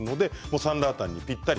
サンラータンにぴったり。